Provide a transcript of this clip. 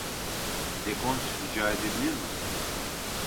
Dekont rica edebilir miyim ?